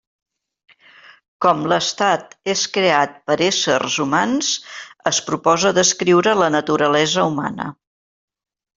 Com l'estat és creat per éssers humans, es proposa descriure la naturalesa humana.